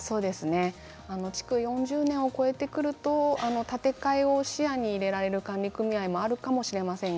築４０年を超えてくると建て替えを視野に入れる管理組合もあるかもしれません。